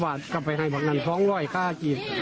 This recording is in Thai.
ท่านก็กับให้บ้างนั้น๒๐๐ค่าาจีด